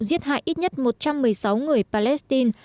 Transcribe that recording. giết hại ít nhất một trăm một mươi sáu người palestine